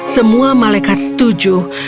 semua malaikat setuju